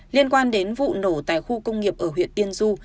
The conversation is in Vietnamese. liên quan đến vụ nổ tại khu công nghiệp ở huyện tiên du